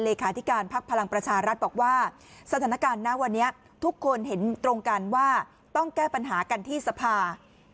เลขาธิการพักพลังประชารัฐบอกว่าสถานการณ์ณวันนี้ทุกคนเห็นตรงกันว่าต้องแก้ปัญหากันที่สภา